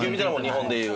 日本でいう。